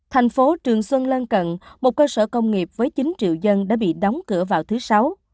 thành phố trường xuân lân cận một cơ sở công nghiệp với chín triệu dân đã bị đóng cửa vào thứ sáu